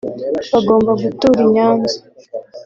bagomba gutura i Nyanza